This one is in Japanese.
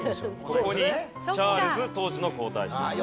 そこにチャールズ当時の皇太子ですね。